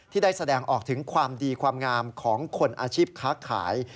ได้แสดงออกถึงความดีความงามของคนอาชีพค้าขาย